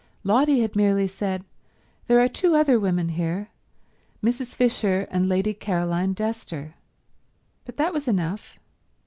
Lotty had merely said, "There are two other women here, Mrs. Fisher and Lady Caroline Dester," but that was enough.